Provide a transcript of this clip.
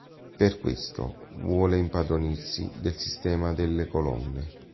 Per questo, vuole impadronirsi del Sistema delle Colonne.